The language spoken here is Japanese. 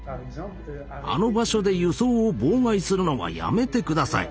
「あの場所で輸送を妨害するのはやめて下さい。